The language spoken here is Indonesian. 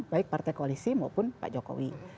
baik partai koalisi maupun pak jokowi